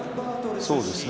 そうですね。